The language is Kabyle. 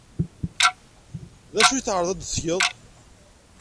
D acu ay tɛerḍed ad t-tged?